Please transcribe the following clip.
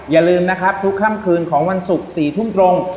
อย่าลืมนะครับทุกค่ำคืนของวันศุกร์๔ทุ่มตรง